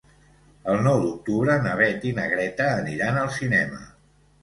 El nou d'octubre na Beth i na Greta aniran al cinema.